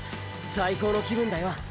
最高の気分だよ！